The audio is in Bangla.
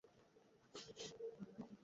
সারা তো তোমার সাথে থাকার কথা!